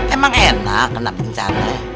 emang enak kena bencana